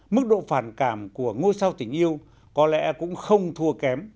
mức độ phản cảm của ngôi sao tình yêu có lẽ cũng không thua kém